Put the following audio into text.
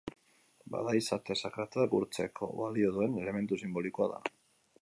Bada, izate sakratuak gurtzeko balio zuen elementu sinbolikoa da.